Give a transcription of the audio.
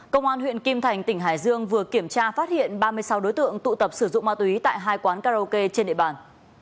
công an huyện kim thành tỉnh hải dương vừa kiểm tra phát hiện ba mươi sáu đối tượng tụ tập sử dụng ma túy tại hai quán karaoke trên địa bàn